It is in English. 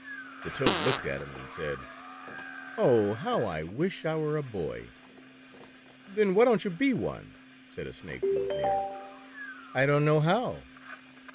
The Toad looked at him, and said :" Oh, how I wish I were a boy." "Then why don't you be one?" said a Snake who was near. '* I don't know how."